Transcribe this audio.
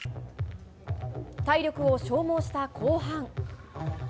体力を消耗した後半。